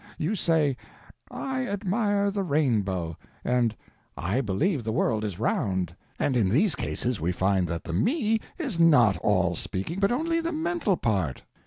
You say "I admire the rainbow," and "I believe the world is round," and in these cases we find that the Me is not speaking, but only the _mental _part.